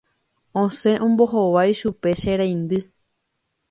Osẽ ombohovái chupe che reindy